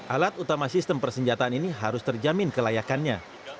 alat utama sistem persenjataan ini harus terjamin kelayakannya